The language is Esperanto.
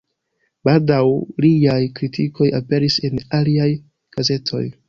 Baldaŭ liaj kritikoj aperis en aliaj gazetoj.